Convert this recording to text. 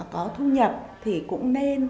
có thu nhập thì cũng nên